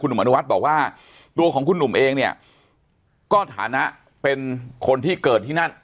หนุ่มอนุวัฒน์บอกว่าตัวของคุณหนุ่มเองเนี่ยก็ฐานะเป็นคนที่เกิดที่นั่น